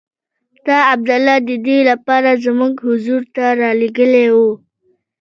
تا عبدالله د دې لپاره زموږ حضور ته رالېږلی وو.